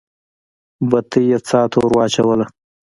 بتۍ يې څا ته ور واچوله.